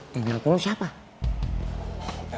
dengan lu siapa